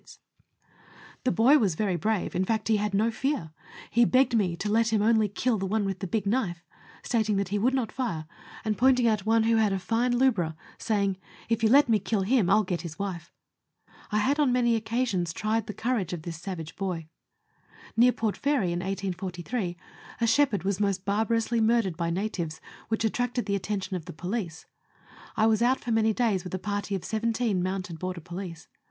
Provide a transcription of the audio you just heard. Letters from Victorian Pioiieers. 12 3 The boy was very brave ; in fact, he had no fear ; he begged me to let him "only kill one with the big knife," stating that he would not fire, and pointing out one who had a fine lubra, saying, " If you let me kill him, I'll get his wife." I had on many oc casions tried the courage of this savage boy. Near Port Fairy, in 1843, a shepherd was most barbarously murdered by natives, which attracted the attention of the police. I was out for many days with a party of seventeen mounted border police.